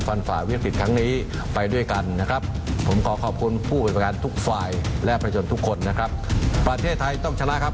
การหาผู้ประกายเธอการวิทยุคไรนะครับผมขอขอบคุณผู้ผู้บังกันทุกฝ่ายและผู้ครองทุกคนนะครับประเทศไทยต้องชนะครับ